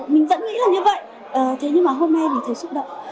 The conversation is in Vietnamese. mình vẫn nghĩ là như vậy thế nhưng mà hôm nay mình thấy xúc động